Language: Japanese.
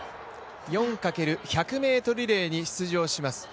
４×１００ｍリレーに出場します。